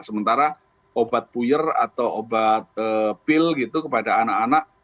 sementara obat puyar atau obat pil kepada anak anak